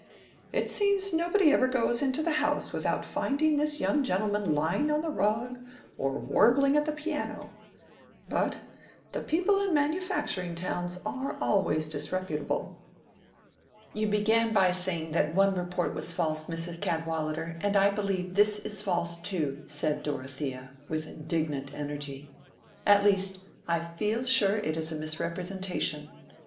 It seems nobody ever goes into the house without finding this young gentleman lying on the rug or warbling at the piano. But the people in manufacturing towns are always disreputable." "You began by saying that one report was false, Mrs. Cadwallader, and I believe this is false too," said Dorothea, with indignant energy; "at least, I feel sure it is a misrepresentation.